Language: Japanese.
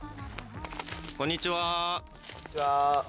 こんにちは。